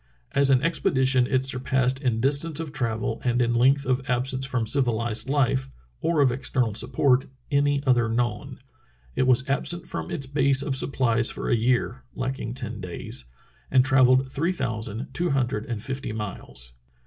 As an expedition it surpassed in distance of travel and in length of absence from civilized life, or of external support, any other known. It was absent from its base of supplies for a year (lacking ten days), and travelled three thousand two hundred and fifty miles.